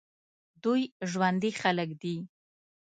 دوی ژوندي خلک دي.